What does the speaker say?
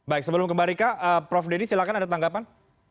baik sebelum kembali kak prof deddy silakan ada tanggapan